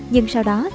nhưng sau đó